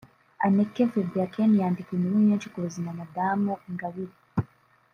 Anneke Verbraeken yandika inkuru nyinshi ku buzima Madame Ingabire